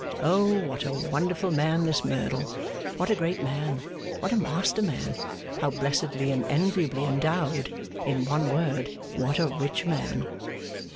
O, what a wonderful man this Merdle, what a great man, what a master man, how blessedly and enviably endowed in one word, what a rich man!